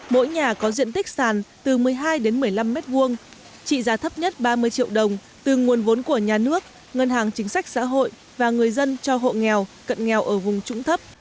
mỗi nhà có diện tích sàn từ một mươi hai đến một mươi năm m hai trị giá thấp nhất ba mươi triệu đồng từ nguồn vốn của nhà nước ngân hàng chính sách xã hội và người dân cho hộ nghèo cận nghèo ở vùng trũng thấp